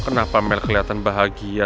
kenapa mel kelihatan bahagia